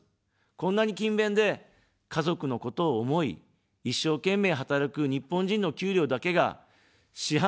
こんなに勤勉で、家族のことを思い、一生懸命働く日本人の給料だけが四半世紀も下がり続ける。